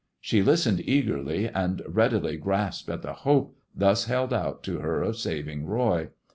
She listened eagerly, and readily grasped at the hope thus held out to her of saving Roy.